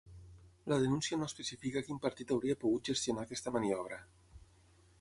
La denúncia no especifica quin partit hauria pogut gestionar aquesta maniobra.